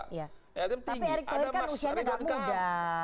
tapi erick thohir kan usianya enggak muda